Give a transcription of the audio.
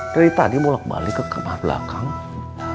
dari tadi bolak balik ke kamar belakang